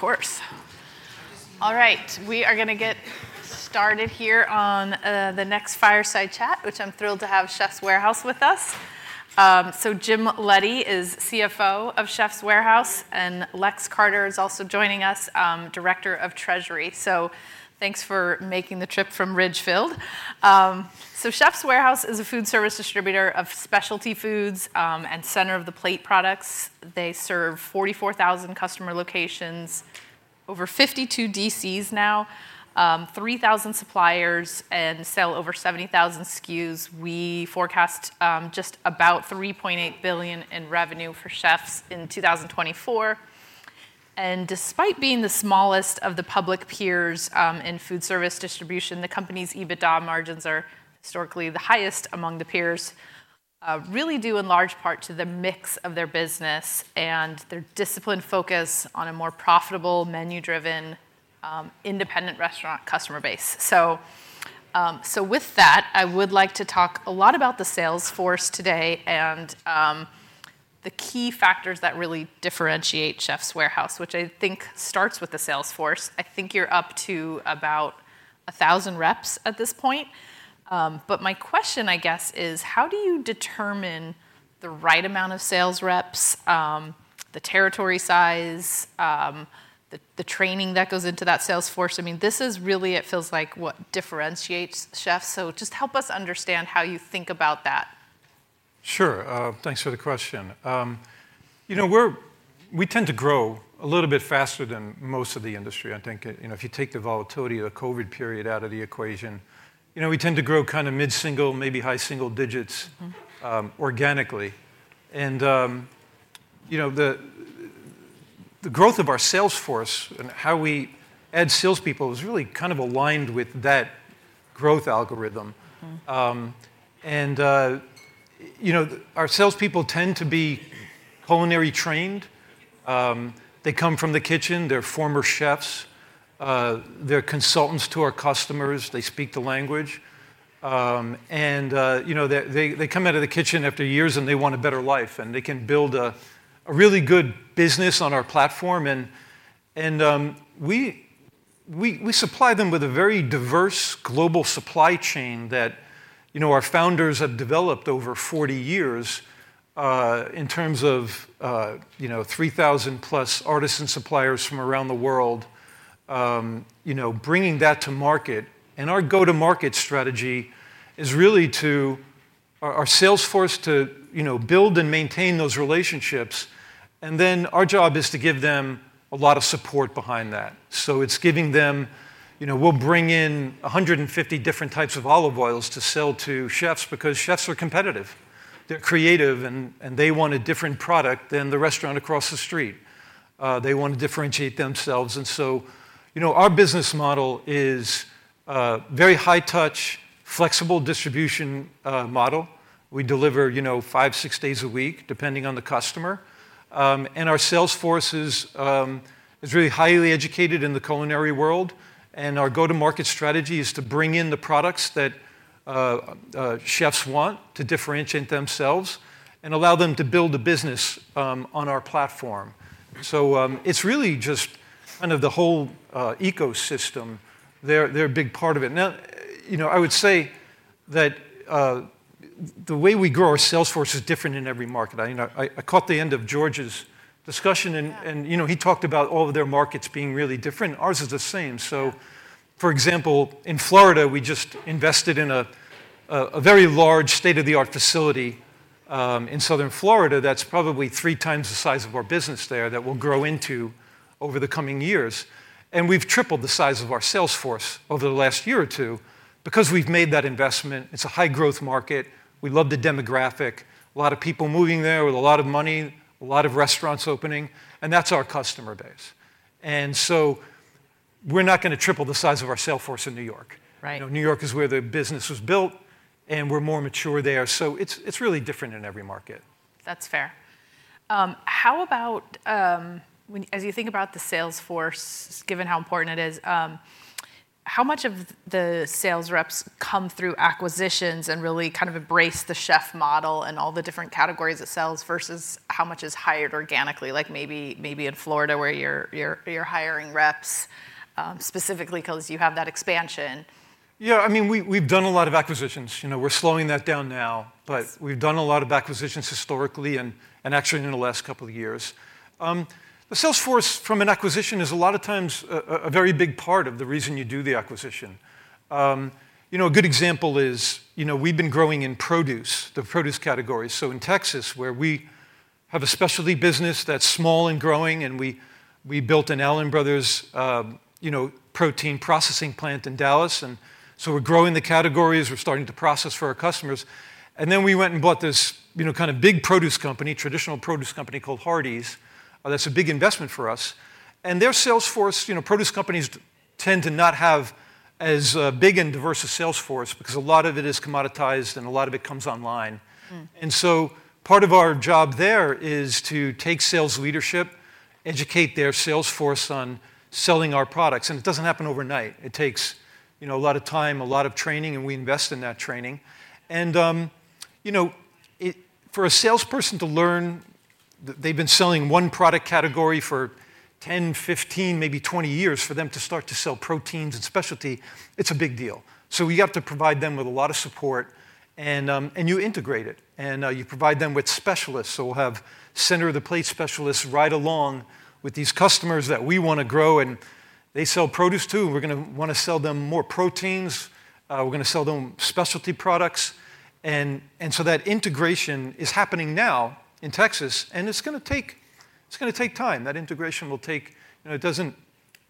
Of course. All right, we are gonna get started here on the next fireside chat, which I'm thrilled to have Chefs' Warehouse with us. So Jim Leddy is CFO of Chefs' Warehouse, and Lex Carter is also joining us, Director of Treasury. Thanks for making the trip from Ridgefield. Chefs' Warehouse is a food service distributor of specialty foods and center-of-the-plate products. They serve 44,000 customer locations, over 52 DCs now, 3,000 suppliers, and sell over 70,000 SKUs. We forecast just about $3.8 billion in revenue for Chefs' in 2024. Despite being the smallest of the public peers in food service distribution, the company's EBITDA margins are historically the highest among the peers. Really due in large part to the mix of their business and their disciplined focus on a more profitable, menu-driven, independent restaurant customer base. So, so with that, I would like to talk a lot about the sales force today and, the key factors that really differentiate Chefs' Warehouse, which I think starts with the sales force. I think you're up to about 1,000 reps at this point. But my question, I guess, is: how do you determine the right amount of sales reps, the territory size, the training that goes into that sales force? I mean, this is really, it feels like, what differentiates Chef. So just help us understand how you think about that. Sure, thanks for the question. You know, we tend to grow a little bit faster than most of the industry. I think, you know, if you take the volatility of the COVID period out of the equation, you know, we tend to grow kinda mid-single, maybe high single digits- Mm-hmm... organically. And, you know, the growth of our sales force and how we add salespeople is really kind of aligned with that growth algorithm. Mm-hmm. And, you know, our salespeople tend to be culinary trained. They come from the kitchen, they're former chefs, they're consultants to our customers, they speak the language. And, you know, they come out of the kitchen after years, and they want a better life, and they can build a really good business on our platform. And, we supply them with a very diverse global supply chain that, you know, our founders have developed over 40 years, in terms of, you know, 3,000+ artisan suppliers from around the world. You know, bringing that to market. And our go-to-market strategy is really to... our sales force to, you know, build and maintain those relationships, and then our job is to give them a lot of support behind that. So it's giving them. You know, we'll bring in 150 different types of olive oils to sell to chefs because chefs are competitive, they're creative, and they want a different product than the restaurant across the street. They want to differentiate themselves. So, you know, our business model is a very high touch, flexible distribution model. We deliver, you know, five, six days a week, depending on the customer. And our sales force is really highly educated in the culinary world, and our go-to-market strategy is to bring in the products that chefs want to differentiate themselves and allow them to build a business on our platform. So it's really just kind of the whole ecosystem. They're a big part of it. Now, you know, I would say that the way we grow our sales force is different in every market. I, you know. I caught the end of George's discussion, and, and- Yeah... you know, he talked about all of their markets being really different. Ours is the same. Yeah. So, for example, in Florida, we just invested in a very large state-of-the-art facility in southern Florida, that's probably three times the size of our business there, that we'll grow into over the coming years. We've tripled the size of our sales force over the last year or two because we've made that investment. It's a high growth market. We love the demographic. A lot of people moving there with a lot of money, a lot of restaurants opening, and that's our customer base. So we're not gonna triple the size of our sales force in New York. Right. You know, New York is where the business was built, and we're more mature there. So it's really different in every market. That's fair. How about, as you think about the sales force, given how important it is, how much of the sales reps come through acquisitions and really kind of embrace the Chef model and all the different categories it sells, versus how much is hired organically? Like, maybe in Florida, where you're hiring reps, specifically because you have that expansion. Yeah, I mean, we've done a lot of acquisitions. You know, we're slowing that down now- Yes... but we've done a lot of acquisitions historically and actually in the last couple of years. The sales force from an acquisition is a lot of times a very big part of the reason you do the acquisition. You know, a good example is, you know, we've been growing in produce, the produce category. So in Texas, where we have a specialty business that's small and growing, and we built an Allen Brothers protein processing plant in Dallas, and so we're growing the category as we're starting to process for our customers. And then we went and bought this, you know, kind of big produce company, traditional produce company called Hardie's. That's a big investment for us. Their sales force, you know, produce companies tend to not have as big and diverse a sales force because a lot of it is commoditized and a lot of it comes online. Mm. So part of our job there is to take sales leadership, educate their sales force on selling our products, and it doesn't happen overnight. It takes, you know, a lot of time, a lot of training, and we invest in that training. You know, it, for a salesperson to learn that they've been selling one product category for 10, 15, maybe 20 years, for them to start to sell proteins and specialty, it's a big deal. So we have to provide them with a lot of support, and, and you integrate it, and, you provide them with specialists. So we'll have center-of-the-plate specialists ride along with these customers that we want to grow, and they sell produce, too. We're gonna wanna sell them more proteins. We're gonna sell them specialty products, and so that integration is happening now in Texas, and it's gonna take time. That integration will take... You know,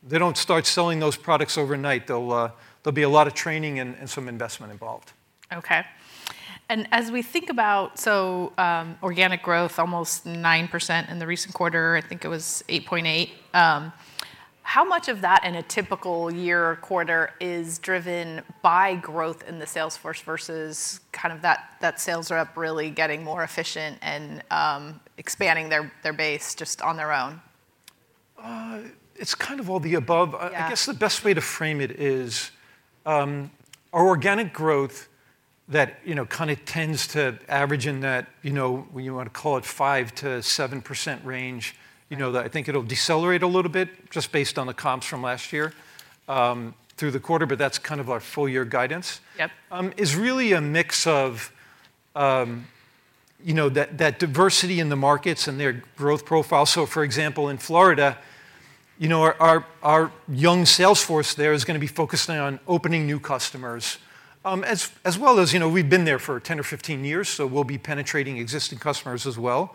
they don't start selling those products overnight. There'll be a lot of training and some investment involved. As we think about organic growth, almost 9% in the recent quarter, I think it was 8.8%, how much of that in a typical year or quarter is driven by growth in the sales force versus kind of that sales rep really getting more efficient and expanding their base just on their own? It's kind of all the above. Yeah. I guess the best way to frame it is, our organic growth that, you know, kind of tends to average in that, you know, when you want to call it 5%-7% range, you know, that I think it'll decelerate a little bit just based on the comps from last year, through the quarter, but that's kind of our full year guidance- Yep... is really a mix of, you know, that, that diversity in the markets and their growth profile. So, for example, in Florida, you know, our young sales force there is going to be focusing on opening new customers. As well as, you know, we've been there for 10 or 15 years, so we'll be penetrating existing customers as well.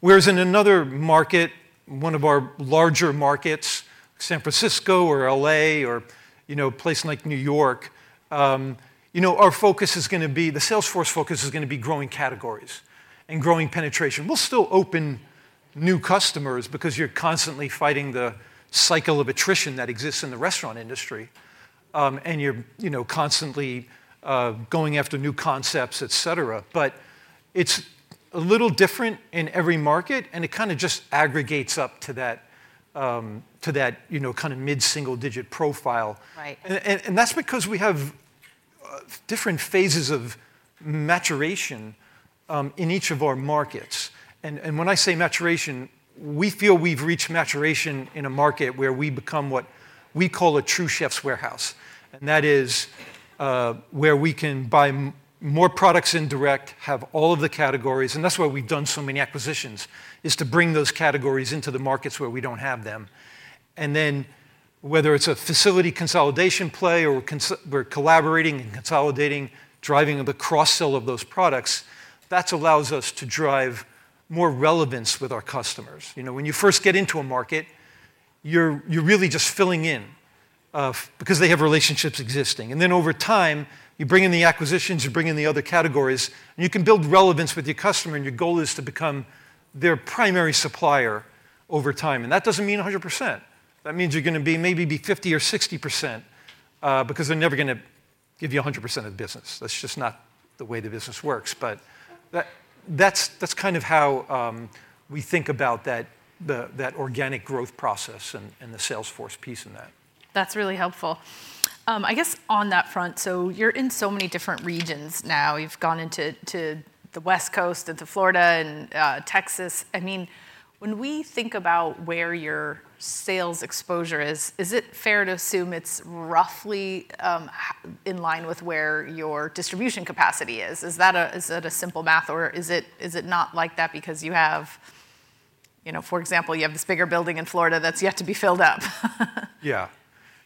Whereas in another market, one of our larger markets, San Francisco or L.A. or, you know, a place like New York, you know, our focus is gonna be, the sales force focus is gonna be growing categories and growing penetration. We'll still open new customers because you're constantly fighting the cycle of attrition that exists in the restaurant industry. And you're, you know, constantly, going after new concepts, et cetera. But it's a little different in every market, and it kind of just aggregates up to that, you know, kind of mid-single-digit profile. Right. That's because we have different phases of maturation in each of our markets. When I say maturation, we feel we've reached maturation in a market where we become what we call a true Chefs' Warehouse, and that is where we can buy more products in direct, have all of the categories, and that's why we've done so many acquisitions, is to bring those categories into the markets where we don't have them. Then, whether it's a facility consolidation play or we're collaborating and consolidating, driving the cross-sell of those products, that allows us to drive more relevance with our customers. You know, when you first get into a market, you're really just filling in because they have relationships existing. And then over time, you bring in the acquisitions, you bring in the other categories, and you can build relevance with your customer, and your goal is to become their primary supplier over time, and that doesn't mean 100%. That means you're gonna be maybe 50 or 60%, because they're never gonna give you 100% of the business. That's just not the way the business works. But that's kind of how we think about that, that organic growth process and the sales force piece in that. That's really helpful. I guess on that front, so you're in so many different regions now. You've gone into the West Coast, into Florida, and Texas. I mean, when we think about where your sales exposure is, is it fair to assume it's roughly in line with where your distribution capacity is? Is that a simple math, or is it not like that because you have... You know, for example, you have this bigger building in Florida that's yet to be filled up? Yeah.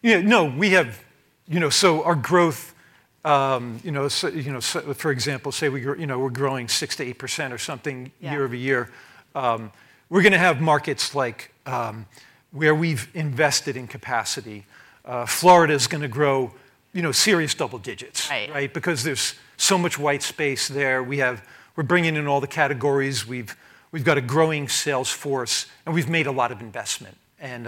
Yeah, no, we have... You know, so our growth, you know, for example, say we're, you know, we're growing 6%-8% or something- Yeah... year-over-year. We're gonna have markets like where we've invested in capacity. Florida is gonna grow, you know, serious double digits. Right. Right? Because there's so much white space there. We're bringing in all the categories, we've got a growing sales force, and we've made a lot of investment. And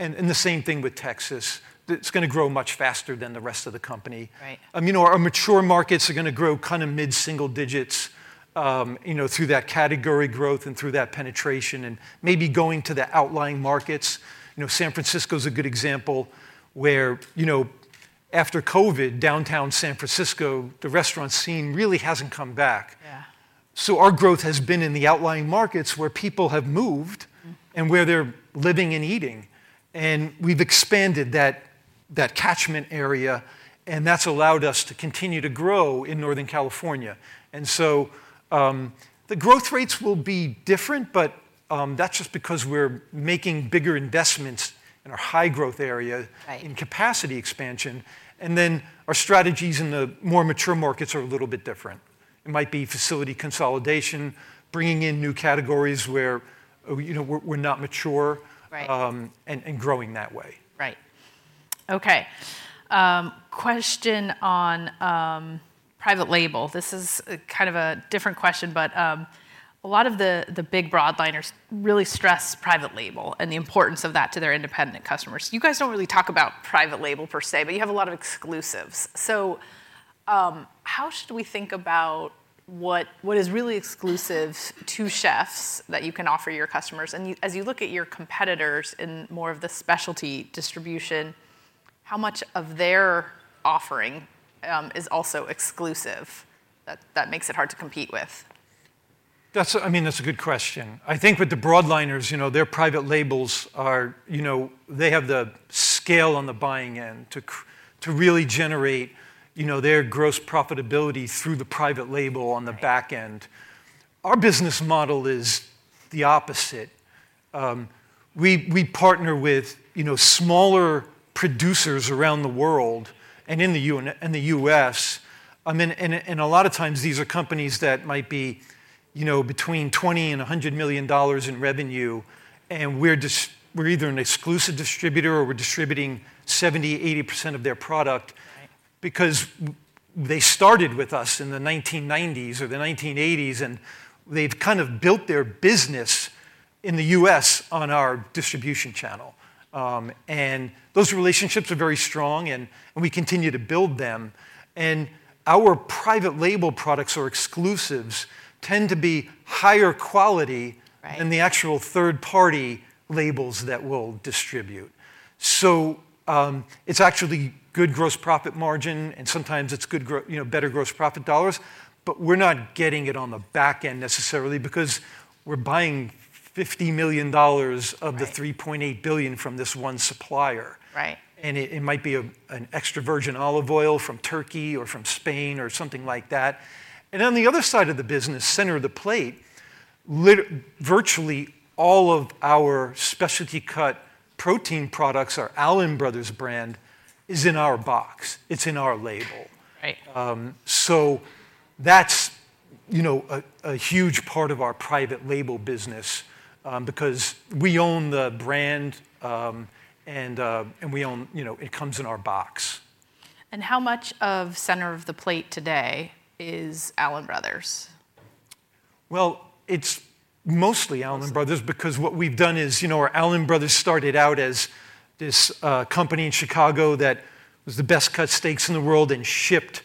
the same thing with Texas. It's gonna grow much faster than the rest of the company. Right. You know, our mature markets are gonna grow kind of mid-single digits, you know, through that category growth and through that penetration, and maybe going to the outlying markets. You know, San Francisco is a good example, where, you know, after COVID, downtown San Francisco, the restaurant scene really hasn't come back. Yeah. Our growth has been in the outlying markets where people have moved- Mm... and where they're living and eating. We've expanded that catchment area, and that's allowed us to continue to grow in Northern California. And so, the growth rates will be different, but, that's just because we're making bigger investments in a high-growth area- Right... in capacity expansion, and then our strategies in the more mature markets are a little bit different. It might be facility consolidation, bringing in new categories where, you know, we're not mature- Right... and growing that way. Right. Okay, question on private label. This is a kind of a different question, but a lot of the big broadliners really stress private label and the importance of that to their independent customers. You guys don't really talk about private label per se, but you have a lot of exclusives. So, how should we think about what is really exclusive to chefs that you can offer your customers? And you, as you look at your competitors in more of the specialty distribution, how much of their offering is also exclusive, that makes it hard to compete with? That's, I mean, that's a good question. I think with the broadliners, you know, their private labels are, you know, they have the scale on the buying end to really generate, you know, their gross profitability through the private label on the back end. Right. Our business model is the opposite. We partner with, you know, smaller producers around the world, and in the U.S. I mean, and a lot of times these are companies that might be, you know, between $20 million and $100 million in revenue, and we're either an exclusive distributor or we're distributing 70%-80% of their product- Right... because they started with us in the 1990s or the 1980s, and they've kind of built their business in the U.S. on our distribution channel. And those relationships are very strong, and, and we continue to build them. And our private label products or exclusives tend to be higher quality- Right... than the actual third-party labels that we'll distribute. So, it's actually good gross profit margin, and sometimes it's good, you know, better gross profit dollars, but we're not getting it on the back end necessarily because we're buying $50 million- Right... of the $3.8 billion from this one supplier. Right. And it might be an extra virgin olive oil from Turkey or from Spain or something like that. And on the other side of the business, center-of-the-plate, virtually all of our specialty cut protein products, our Allen Brothers brand, is in our box. It's in our label. Right. So that's, you know, a huge part of our private label business, because we own the brand, and we own... You know, it comes in our box. How much of center-of-the-plate today is Allen Brothers? Well, it's mostly Allen Brothers- Mostly... because what we've done is, you know, our Allen Brothers started out as this company in Chicago that was the best cut steaks in the world and shipped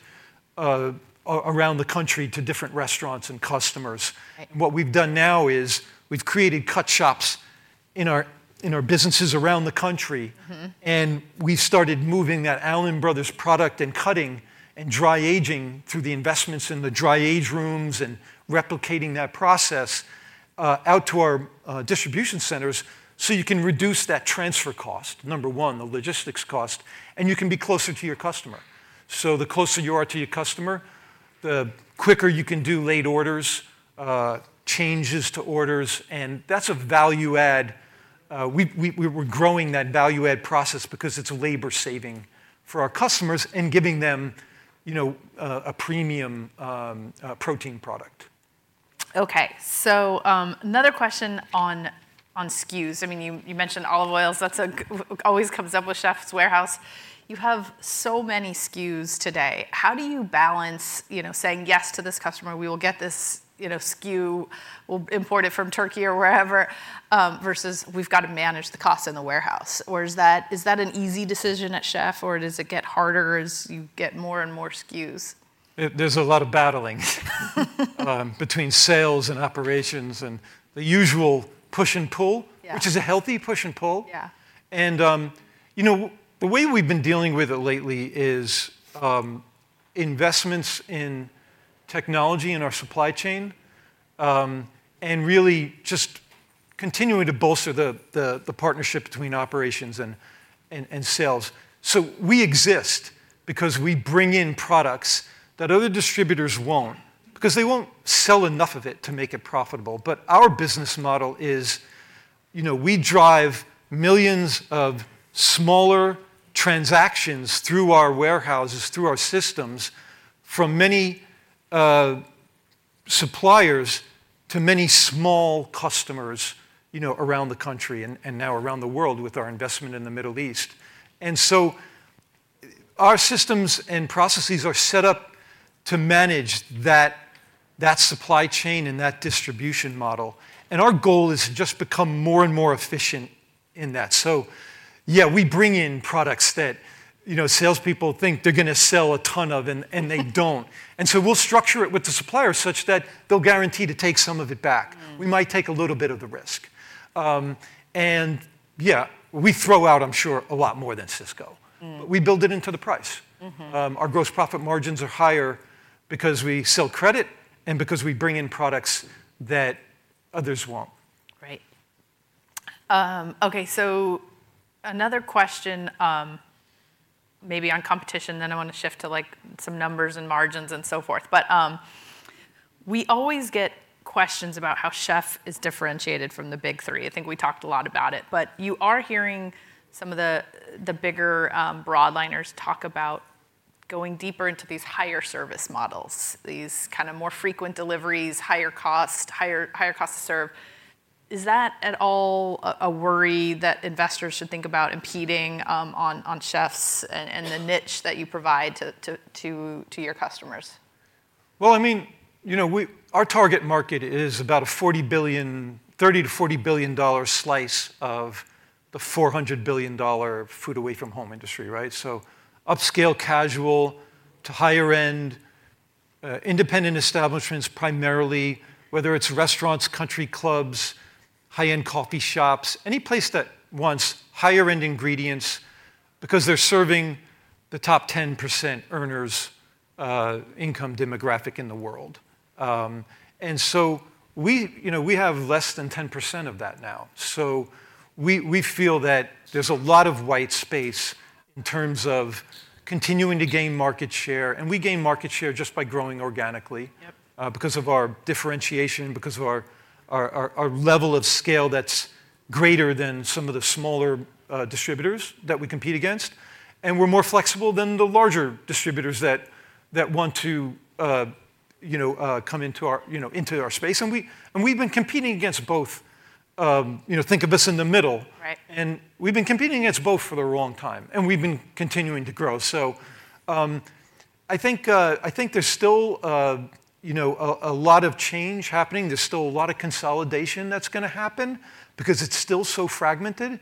around the country to different restaurants and customers. Right. What we've done now is, we've created cut shops in our, in our businesses around the country. Mm-hmm. We've started moving that Allen Brothers product and cutting and dry aging through the investments in the dry age rooms and replicating that process out to our distribution centers so you can reduce that transfer cost, number one, the logistics cost, and you can be closer to your customer. The closer you are to your customer, the quicker you can do late orders, changes to orders, and that's a value add. We're growing that value add process because it's labor saving for our customers and giving them, you know, a premium protein product. Okay, so, another question on SKUs. I mean, you mentioned olive oils. That always comes up with Chefs' Warehouse. You have so many SKUs today. How do you balance, you know, saying yes to this customer, "We will get this, you know, SKU. We'll import it from Turkey or wherever," versus, "We've got to manage the cost in the warehouse?" Or is that an easy decision at Chef, or does it get harder as you get more and more SKUs? There's a lot of battling between sales and operations, and the usual push and pull. Yeah... which is a healthy push and pull. Yeah. You know, the way we've been dealing with it lately is investments in technology in our supply chain, and really just continuing to bolster the partnership between operations and sales. So we exist because we bring in products that other distributors won't, because they won't sell enough of it to make it profitable. But our business model is, you know, we drive millions of smaller transactions through our warehouses, through our systems, from many suppliers to many small customers, you know, around the country and now around the world with our investment in the Middle East. And so our systems and processes are set up to manage that supply chain and that distribution model, and our goal is to just become more and more efficient in that. So yeah, we bring in products that, you know, salespeople think they're gonna sell a ton of, and, and they don't. And so we'll structure it with the supplier such that they'll guarantee to take some of it back. Mm. We might take a little bit of the risk. And yeah, we throw out, I'm sure, a lot more than Sysco. Mm. We build it into the price. Mm-hmm. Our gross profit margins are higher because we sell credit and because we bring in products that others won't. Right. Okay, so another question, maybe on competition, then I want to shift to, like, some numbers and margins and so forth. But we always get questions about how Chef is differentiated from the Big Three. I think we talked a lot about it. But you are hearing some of the bigger broadliners talk about going deeper into these higher service models, these kind of more frequent deliveries, higher cost, higher cost to serve. Is that at all a worry that investors should think about impeding on Chefs', and the niche that you provide to your customers? Well, I mean, you know, we, our target market is about a $40 billion, $30-$40 billion slice of the $400 billion food away from home industry, right? So upscale casual to higher end independent establishments primarily, whether it's restaurants, country clubs, high-end coffee shops, any place that wants higher-end ingredients because they're serving the top 10% earners' income demographic in the world. And so we, you know, we have less than 10% of that now. So we, we feel that there's a lot of white space in terms of continuing to gain market share, and we gain market share just by growing organically- Yep. Because of our differentiation, because of our level of scale that's greater than some of the smaller distributors that we compete against, and we're more flexible than the larger distributors that want to, you know, come into our space. We've been competing against both. You know, think of us in the middle. Right. We've been competing against both for a long time, and we've been continuing to grow. So, I think, I think there's still, you know, a lot of change happening. There's still a lot of consolidation that's gonna happen because it's still so fragmented.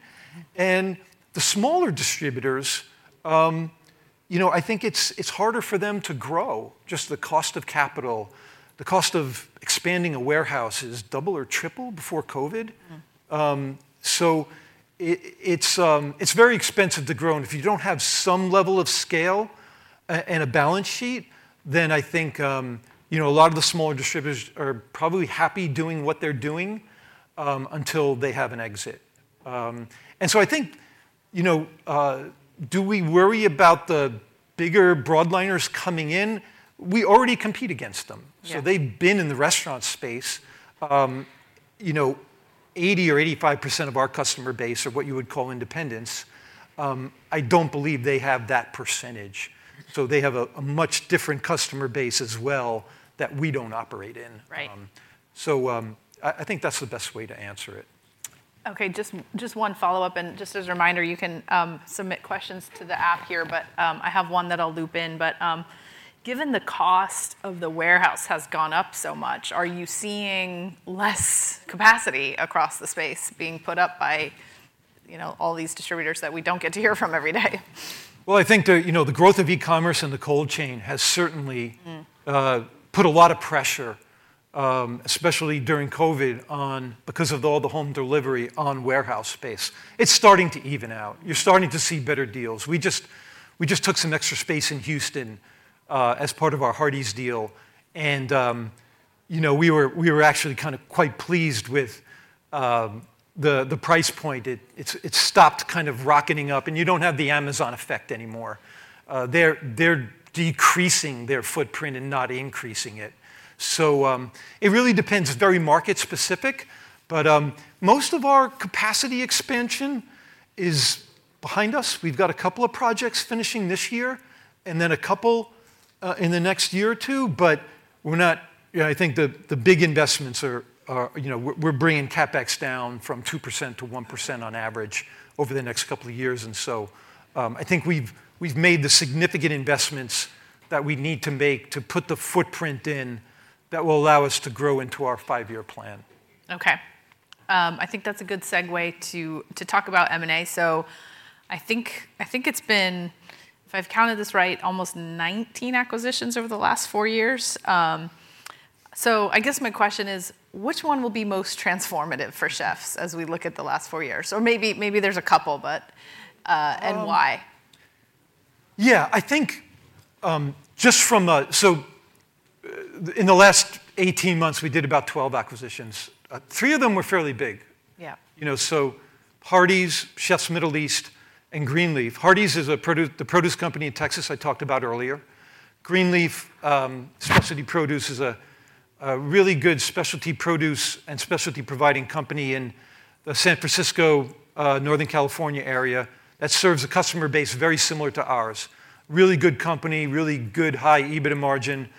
Mm-hmm. The smaller distributors, you know, I think it's harder for them to grow, just the cost of capital. The cost of expanding a warehouse has doubled or tripled before COVID. Mm. So it's very expensive to grow, and if you don't have some level of scale and a balance sheet, then I think, you know, a lot of the smaller distributors are probably happy doing what they're doing, until they have an exit. And so I think, you know, do we worry about the bigger broadliners coming in? We already compete against them. Yeah. They've been in the restaurant space. You know, 80%-85% of our customer base are what you would call independents. I don't believe they have that percentage. Mm. They have a much different customer base as well that we don't operate in. Right. So, I think that's the best way to answer it. Okay, just one follow-up, and just as a reminder, you can submit questions to the app here, but I have one that I'll loop in. But given the cost of the warehouse has gone up so much, are you seeing less capacity across the space being put up by, you know, all these distributors that we don't get to hear from every day? Well, I think the, you know, the growth of e-commerce and the cold chain has certainly- Mm... put a lot of pressure, especially during COVID, on, because of all the home delivery, on warehouse space. It's starting to even out. You're starting to see better deals. We just took some extra space in Houston, as part of our Hardie's deal, and, you know, we were actually kind of quite pleased with the price point. It's stopped kind of rocketing up, and you don't have the Amazon effect anymore. They're decreasing their footprint and not increasing it. So, it really depends. It's very market specific, but, most of our capacity expansion is behind us. We've got a couple of projects finishing this year, and then a couple in the next year or two, but we're not... You know, I think the big investments are, you know, we're bringing CapEx down from 2% to 1% on average over the next couple of years. So, I think we've made the significant investments that we need to make to put the footprint in, that will allow us to grow into our five-year plan. Okay. I think that's a good segue to talk about M&A. So I think it's been, if I've counted this right, almost 19 acquisitions over the last four years. So I guess my question is, which one will be most transformative for Chefs as we look at the last four years? Or maybe there's a couple, but. Um- and why? Yeah, I think in the last 18 months, we did about 12 acquisitions. Three of them were fairly big. Yeah. You know, so Hardie's, Chef Middle East, and GreenLeaf. Hardie's is a produce company in Texas I talked about earlier. GreenLeaf Specialty Produce is a really good specialty produce and specialty providing company in the San Francisco, Northern California area that serves a customer base very similar to ours. Really good company, really good high EBITDA margin,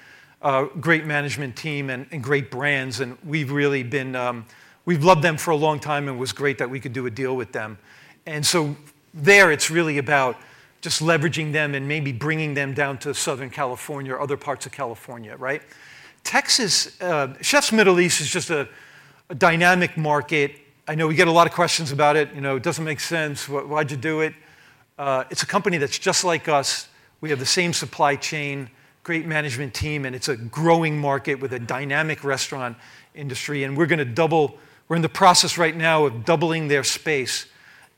great management team, and great brands, and we've really been... We've loved them for a long time, and it was great that we could do a deal with them. And so there, it's really about just leveraging them and maybe bringing them down to Southern California or other parts of California, right? Texas, Chef Middle East is just a dynamic market. I know we get a lot of questions about it. You know, "It doesn't make sense. Why, why'd you do it?" It's a company that's just like us. We have the same supply chain, great management team, and it's a growing market with a dynamic restaurant industry, and we're in the process right now of doubling their space,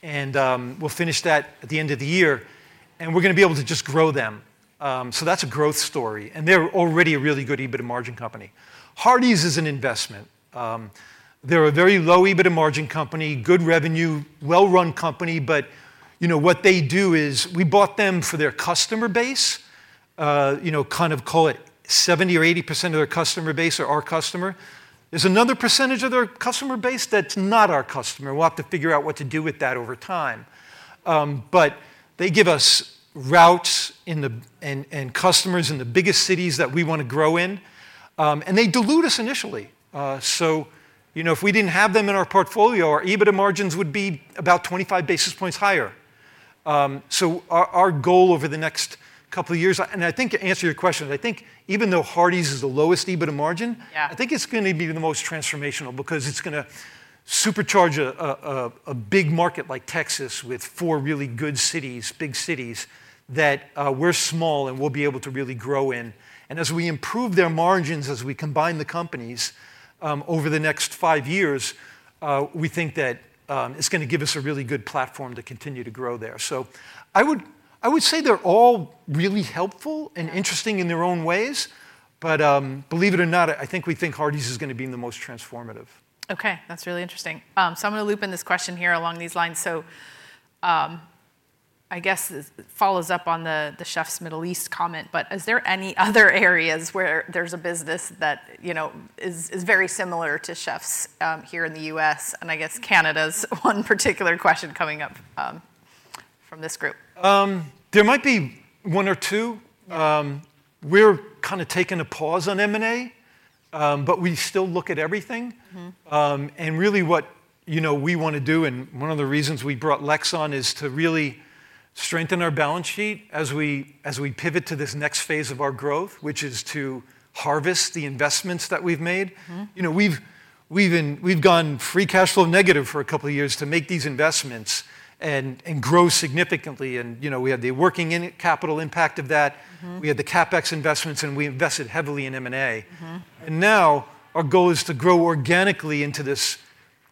and we'll finish that at the end of the year, and we're gonna be able to just grow them. So that's a growth story, and they're already a really good EBITDA margin company. Hardie's is an investment. They're a very low EBITDA margin company, good revenue, well-run company, but, you know, what they do is, we bought them for their customer base. You know, kind of call it 70%-80% of their customer base are our customer. There's another percentage of their customer base that's not our customer. We'll have to figure out what to do with that over time. But they give us routes in the... and customers in the biggest cities that we wanna grow in. And they dilute us initially. So, you know, if we didn't have them in our portfolio, our EBITDA margins would be about 25 basis points higher. So our goal over the next couple of years... and I think to answer your question, I think even though Hardie's is the lowest EBITDA margin- Yeah... I think it's gonna be the most transformational because it's gonna supercharge a big market like Texas with four really good cities, big cities, that we're small and we'll be able to really grow in. And as we improve their margins, as we combine the companies, over the next five years, we think that it's gonna give us a really good platform to continue to grow there. So I would, I would say they're all really helpful- Yeah. and interesting in their own ways, but, believe it or not, I think we think Hardie's is gonna be the most transformative. Okay, that's really interesting. So, I'm gonna loop in this question here along these lines. So, I guess this follows up on the Chef Middle East comment, but is there any other areas where there's a business that, you know, is very similar to Chefs', here in the U.S., and I guess Canada's one particular question coming up, from this group? There might be one or two. We're kind of taking a pause on M&A, but we still look at everything. Mm-hmm. And really, what, you know, we want to do, and one of the reasons we brought Lex on, is to really strengthen our balance sheet as we pivot to this next phase of our growth, which is to harvest the investments that we've made. Mm-hmm. You know, we've been, we've gone free cash flow negative for a couple of years to make these investments and grow significantly. You know, we had the working capital impact of that. Mm-hmm. We had the CapEx investments, and we invested heavily in M&A. Mm-hmm. And now, our goal is to grow organically into this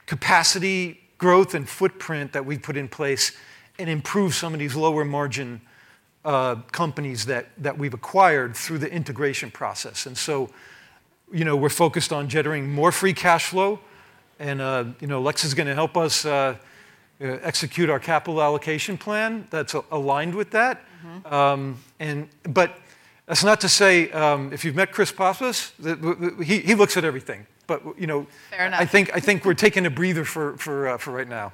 capacity, growth, and footprint that we've put in place and improve some of these lower margin companies that we've acquired through the integration process. And so, you know, we're focused on generating more free cash flow, and you know, Lex is gonna help us execute our capital allocation plan that's aligned with that. Mm-hmm. But that's not to say, if you've met Chris Pappas, he looks at everything. You know- Fair enough. I think we're taking a breather for right now.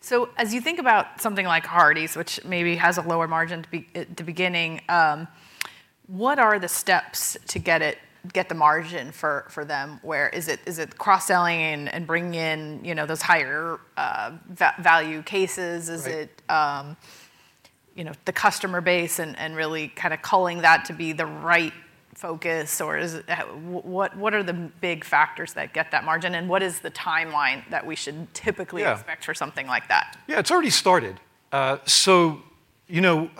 Okay. So as you think about something like Hardie's, which maybe has a lower margin to begin at the beginning, what are the steps to get it, get the margin for, for them? Where... Is it, is it cross-selling and, and bringing in, you know, those higher value cases? Right. Is it, you know, the customer base and really kind of culling that to be the right focus, or is it, what, what are the big factors that get that margin, and what is the timeline that we should typically- Yeah... except for something like that? Yeah, it's already started. So, you know,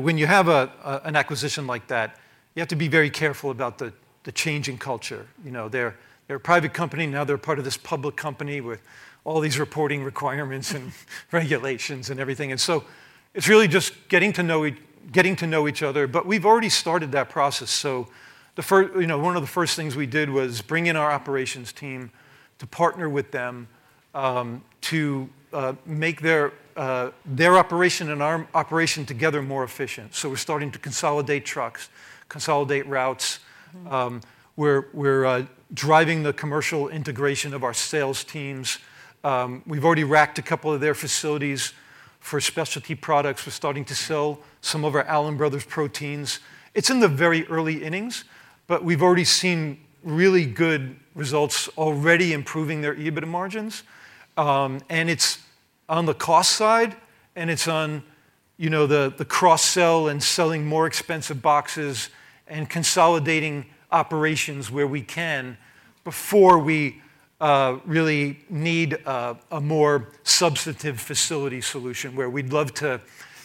when you have an acquisition like that, you have to be very careful about the change in culture. You know, they're a private company, now they're part of this public company with all these reporting requirements and regulations and everything, and so it's really just getting to know each other. But we've already started that process. So you know, one of the first things we did was bring in our operations team to partner with them, to make their operation and our operation together more efficient. So we're starting to consolidate trucks, consolidate routes. Mm. We're driving the commercial integration of our sales teams. We've already racked a couple of their facilities for specialty products. We're starting to sell some of our Allen Brothers proteins. It's in the very early innings, but we've already seen really good results already improving their EBITDA margins. And it's on the cost side, and it's on, you know, the cross-sell and selling more expensive boxes and consolidating operations where we can before we really need a more substantive facility solution, where we'd love to,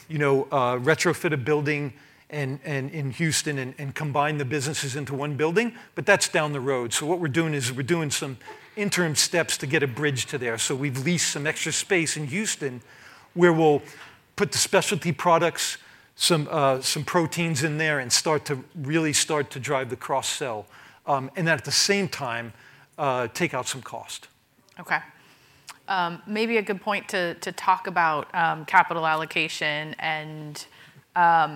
you know, retrofit a building in Houston and combine the businesses into one building, but that's down the road. So what we're doing is we're doing some interim steps to get a bridge to there. So we've leased some extra space in Houston, where we'll put the specialty products, some proteins in there, and start to really drive the cross-sell, and at the same time, take out some cost. Okay. Maybe a good point to talk about capital allocation and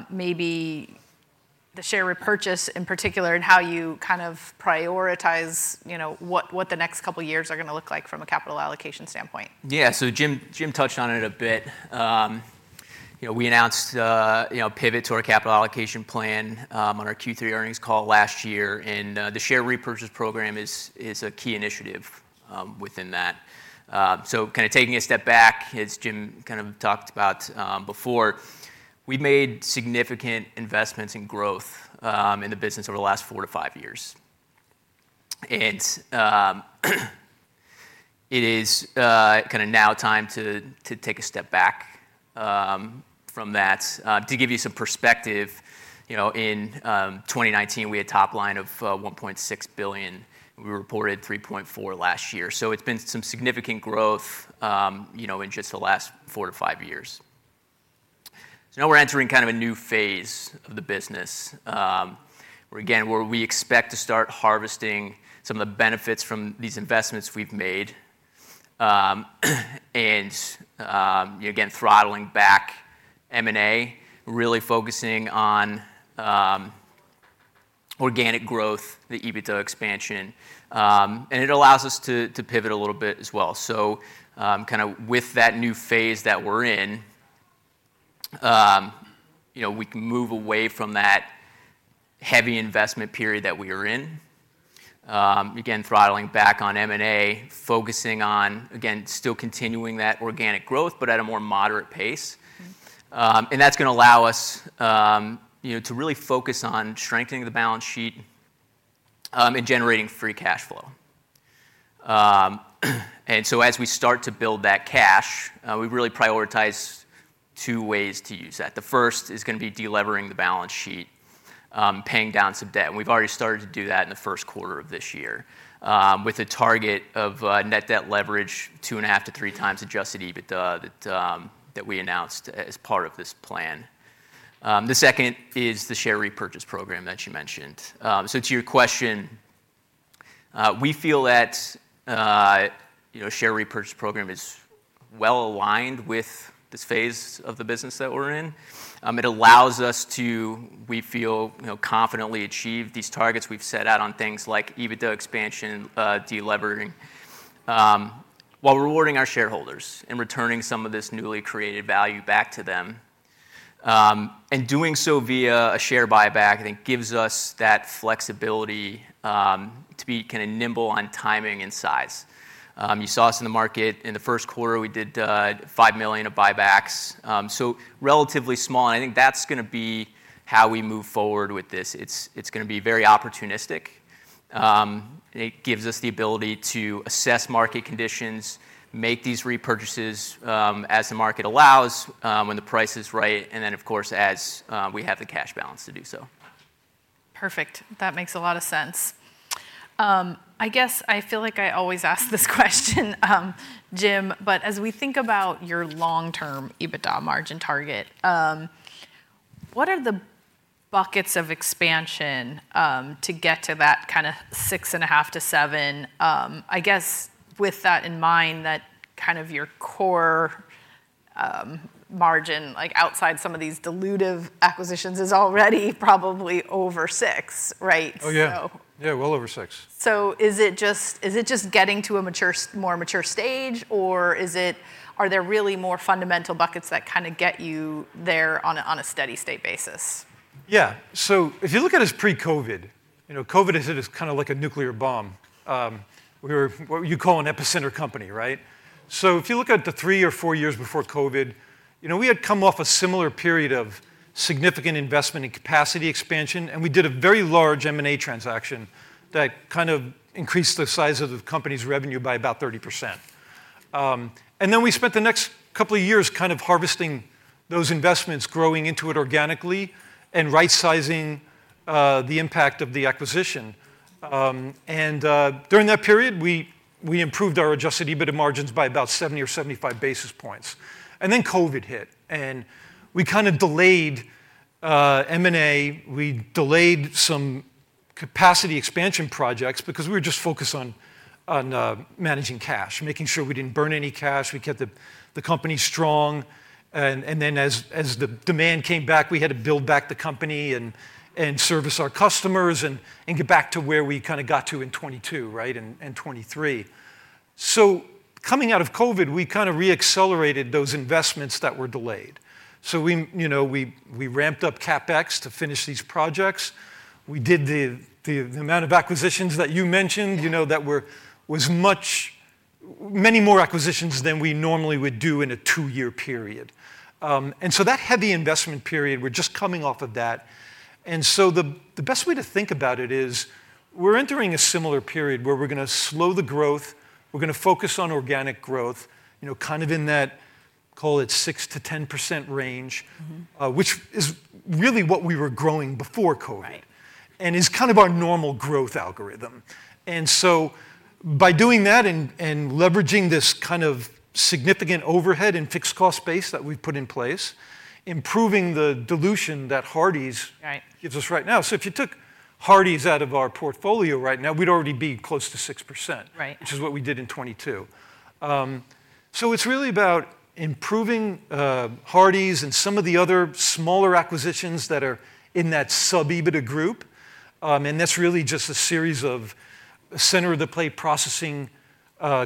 maybe the share repurchase in particular, and how you kind of prioritize, you know, what the next couple of years are gonna look like from a capital allocation standpoint. Yeah, so Jim, Jim touched on it a bit. You know, we announced, you know, pivot to our capital allocation plan, on our Q3 earnings call last year, and, the share repurchase program is, is a key initiative, within that. So kind of taking a step back, as Jim kind of talked about, before, we've made significant investments in growth, in the business over the last four to five years. And, it is, kind of now time to, to take a step back, from that. To give you some perspective, you know, in, 2019, we had top line of, $1.6 billion, and we reported $3.4 billion last year. So it's been some significant growth, you know, in just the last four to five years. So now we're entering kind of a new phase of the business, where, again, where we expect to start harvesting some of the benefits from these investments we've made. And, again, throttling back M&A, really focusing on, organic growth, the EBITDA expansion, and it allows us to, to pivot a little bit as well. So, kind of with that new phase that we're in, you know, we can move away from that heavy investment period that we were in. Again, throttling back on M&A, focusing on, again, still continuing that organic growth, but at a more moderate pace. Mm-hmm.... and that's gonna allow us, you know, to really focus on strengthening the balance sheet, and generating free cash flow. And so as we start to build that cash, we've really prioritized two ways to use that. The first is gonna be de-levering the balance sheet, paying down some debt, and we've already started to do that in the first quarter of this year. With a target of net debt leverage 2.5-3 times adjusted EBITDA that we announced as part of this plan. The second is the share repurchase program that you mentioned. So to your question, we feel that, you know, share repurchase program is well aligned with this phase of the business that we're in. It allows us to, we feel, you know, confidently achieve these targets we've set out on things like EBITDA expansion, de-levering, while rewarding our shareholders and returning some of this newly created value back to them. Doing so via a share buyback, I think, gives us that flexibility to be kind of nimble on timing and size. You saw us in the market. In the first quarter, we did $5 million of buybacks. So relatively small, and I think that's gonna be how we move forward with this. It's, it's gonna be very opportunistic. It gives us the ability to assess market conditions, make these repurchases, as the market allows, when the price is right, and then, of course, as we have the cash balance to do so. Perfect. That makes a lot of sense. I guess I feel like I always ask this question, Jim, but as we think about your long-term EBITDA margin target, what are the buckets of expansion, to get to that kind of 6.5-7? I guess, with that in mind, that kind of your core, margin, like outside some of these dilutive acquisitions, is already probably over six, right? Oh, yeah. Yeah, well over six. So is it just getting to a more mature stage, or are there really more fundamental buckets that kind of get you there on a steady-state basis? Yeah. So if you look at us pre-COVID, you know, COVID hit us kind of like a nuclear bomb. We were what you call an epicenter company, right? So if you look at the three or four years before COVID, you know, we had come off a similar period of significant investment and capacity expansion, and we did a very large M&A transaction that kind of increased the size of the company's revenue by about 30%. And then we spent the next couple of years kind of harvesting those investments, growing into it organically, and right-sizing the impact of the acquisition. And during that period, we improved our adjusted EBITDA margins by about 70 or 75 basis points. And then COVID hit, and we kind of delayed M&A, we delayed some capacity expansion projects because we were just focused on managing cash, making sure we didn't burn any cash, we kept the company strong. And then as the demand came back, we had to build back the company and service our customers and get back to where we kind of got to in 2022, right? And 2023. So coming out of COVID, we kind of re-accelerated those investments that were delayed. So we, you know, we ramped up CapEx to finish these projects. We did the amount of acquisitions that you mentioned, you know, that were many more acquisitions than we normally would do in a two-year period. And so that heavy investment period, we're just coming off of that. And so the best way to think about it is, we're entering a similar period where we're gonna slow the growth, we're gonna focus on organic growth, you know, kind of in that, call it 6%-10% range. Mm-hmm.... which is really what we were growing before COVID. Right. And it's kind of our normal growth algorithm. And so by doing that and leveraging this kind of significant overhead and fixed cost base that we've put in place, improving the dilution that Hardie's- Right... gives us right now. So if you took Hardie's out of our portfolio right now, we'd already be close to 6%. Right. Which is what we did in 2022. So it's really about improving Hardie's and some of the other smaller acquisitions that are in that sub-EBITDA group. And that's really just a series of center-of-the-plate processing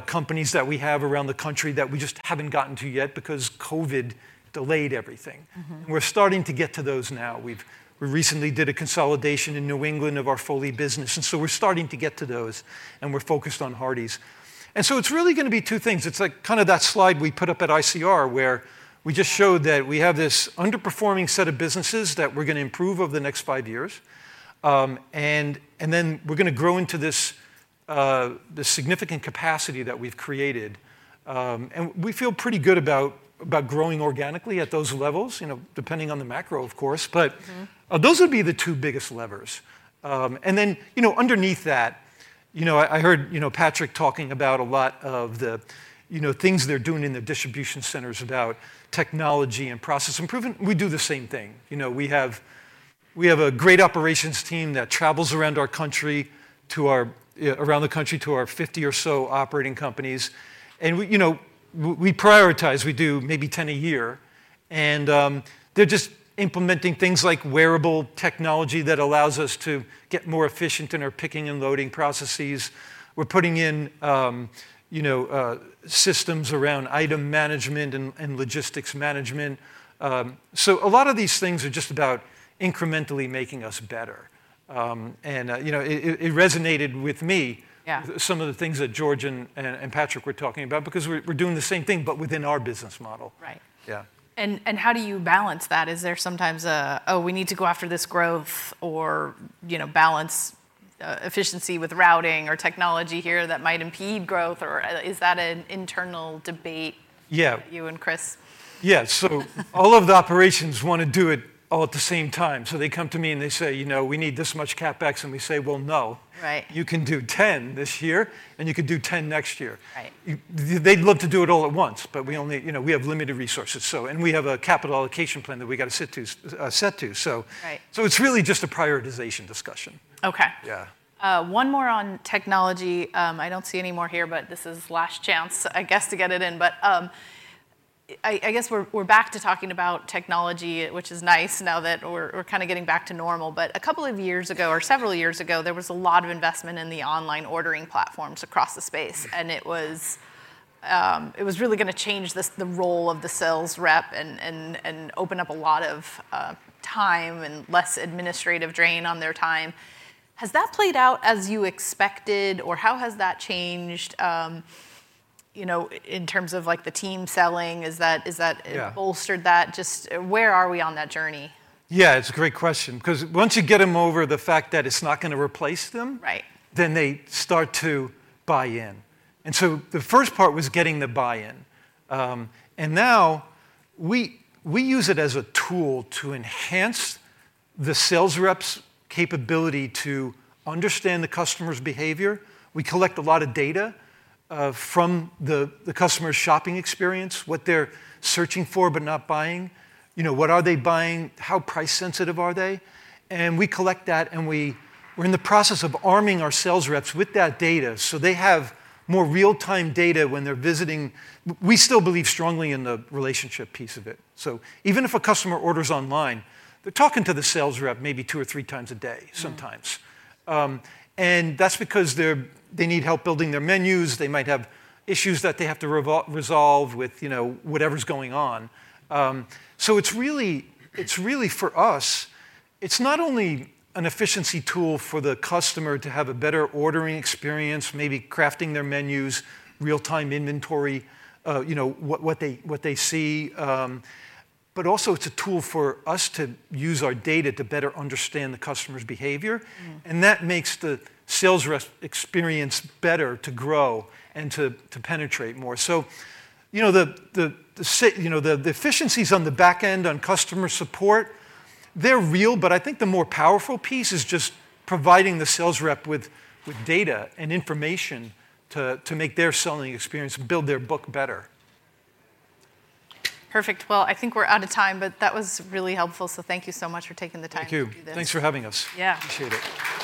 companies that we have around the country that we just haven't gotten to yet because COVID delayed everything. Mm-hmm. We're starting to get to those now. We've recently did a consolidation in New England of our Foley business, and so we're starting to get to those, and we're focused on Hardie's. And so it's really gonna be two things. It's like kind of that slide we put up at ICR, where we just showed that we have this underperforming set of businesses that we're gonna improve over the next five years. And then we're gonna grow into this this significant capacity that we've created. And we feel pretty good about about growing organically at those levels, you know, depending on the macro, of course, but- Mm-hmm... those would be the two biggest levers. And then, you know, underneath that, you know, I heard, you know, Patrick talking about a lot of the, you know, things they're doing in the distribution centers about technology and process improvement. We do the same thing. You know, we have a great operations team that travels around the country to our 50 or so operating companies. And we, you know, we prioritize, we do maybe 10 a year, and they're just implementing things like wearable technology that allows us to get more efficient in our picking and loading processes. We're putting in, you know, systems around item management and logistics management. So a lot of these things are just about incrementally making us better.... You know, it resonated with me. Yeah Some of the things that George and Patrick were talking about, because we're doing the same thing, but within our business model. Right. Yeah. And how do you balance that? Is there sometimes a, "Oh, we need to go after this growth," or, you know, balance efficiency with routing or technology here that might impede growth, or is that an internal debate- Yeah... you and Chris? Yeah, all of the operations want to do it all at the same time. So they come to me and they say, "You know, we need this much CapEx," and we say, "Well, no. Right. You can do 10 this year, and you can do 10 next year. Right. They'd love to do it all at once, but we only... You know, we have limited resources, so, and we have a capital allocation plan that we've got to set to, so. Right. It's really just a prioritization discussion. Okay. Yeah. One more on technology. I don't see any more here, but this is last chance, I guess, to get it in, but I guess we're back to talking about technology, which is nice now that we're kind of getting back to normal. But a couple of years ago or several years ago, there was a lot of investment in the online ordering platforms across the space, and it was really going to change the role of the sales rep and open up a lot of time and less administrative drain on their time. Has that played out as you expected, or how has that changed, you know, in terms of, like, the team selling? Is that- Yeah... bolstered that, just where are we on that journey? Yeah, it's a great question. Because once you get them over the fact that it's not going to replace them- Right... then they start to buy in. And so the first part was getting the buy-in. And now we, we use it as a tool to enhance the sales rep's capability to understand the customer's behavior. We collect a lot of data from the customer's shopping experience, what they're searching for, but not buying. You know, what are they buying? How price sensitive are they? And we collect that, and we're in the process of arming our sales rep's with that data, so they have more real-time data when they're visiting, we still believe strongly in the relationship piece of it. So even if a customer orders online, they're talking to the sales rep maybe two or three times a day sometimes. Mm. And that's because they need help building their menus. They might have issues that they have to resolve with, you know, whatever's going on. So it's really, for us, it's not only an efficiency tool for the customer to have a better ordering experience, maybe crafting their menus, real-time inventory, you know, what they see, but also it's a tool for us to use our data to better understand the customer's behavior. Mm. That makes the sales rep's experience better to grow and to penetrate more. So, you know, the efficiencies on the back end, on customer support, they're real, but I think the more powerful piece is just providing the sales rep with data and information to make their selling experience, build their book better. Perfect. Well, I think we're out of time, but that was really helpful, so thank you so much for taking the time to do this. Thank you. Thanks for having us. Yeah. Appreciate it.